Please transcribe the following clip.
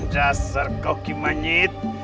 jasar kau kimanyit